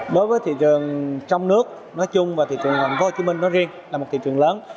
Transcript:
đối với thị trường trong nước nói chung và thị trường hàn quốc hồ chí minh nói riêng là một thị trường lớn